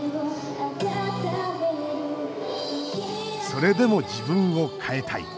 それでも自分を変えたい。